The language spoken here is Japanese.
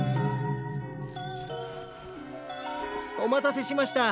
お待たせしました。